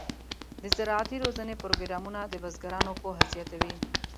د زراعتي روزنې پروګرامونه د بزګرانو پوهه زیاتوي.